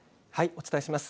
お伝えします。